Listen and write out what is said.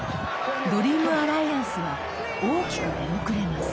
ドリームアライアンスは大きく出遅れます。